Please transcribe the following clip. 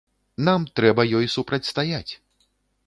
Нам трэба ёй супрацьстаяць.